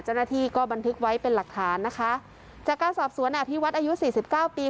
เจ้าหน้าที่ก็บันทึกไว้เป็นหลักฐานนะคะจากการสอบสวนอาทิวัตรอายุ๔๙ปี